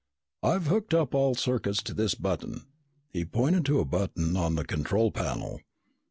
"I've hooked up all circuits to this button." He pointed to a button on the control panel.